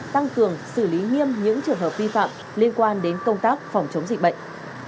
tăng cường xử lý nghiêm những trường hợp vi phạm liên quan đến công tác phòng chống dịch bệnh